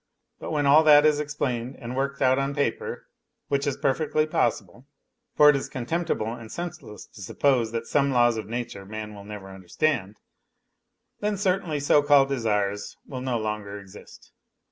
But when all that is explained and worked out 011 paper (which is perfectly possible, for it is contemptible and senseless to suppose that some laws of nature man will never understand), then certainly so called desires will no longer exist.